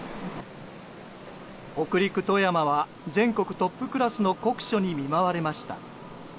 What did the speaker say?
北陸・富山は全国トップクラスの酷暑に見舞われました。